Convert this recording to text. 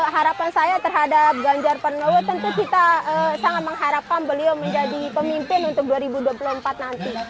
harapan saya terhadap ganjar pranowo tentu kita sangat mengharapkan beliau menjadi pemimpin untuk dua ribu dua puluh empat nanti